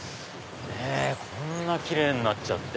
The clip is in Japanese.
こんなキレイになっちゃって。